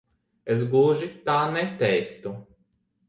Es gluži tā neteiktu.